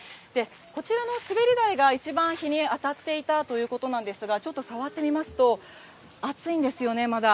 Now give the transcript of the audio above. こちらの滑り台が一番日に当たっていたということなんですが、ちょっと触ってみますと、熱いんですよね、まだ。